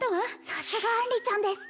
さすが杏里ちゃんです！